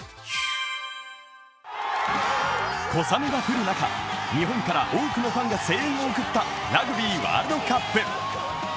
小雨が降る中、日本から多くのファンが声援を送ったラグビーワールドカップ。